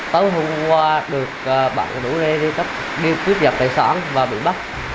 tối hôm qua được bạn đủ lê đi tiếp giật tài sản và bị bắt